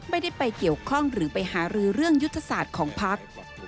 ไม่ได้ไปเกี่ยวข้องหรือไปหารือเรื่องยุทธศาสตร์ของพัก